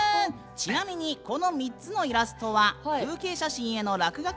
ちなみにこの３つのイラストは風景写真への落書き